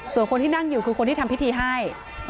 ส่วนคนที่นั่งอยู่คือคนที่ทำพิธีให้